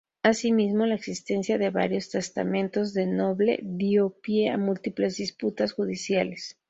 Asimismo la existencia de varios testamentos de Noble dio pie a múltiples disputas judiciales.